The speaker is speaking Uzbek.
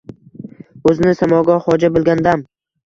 O’zini samoga xoja bilgan dam.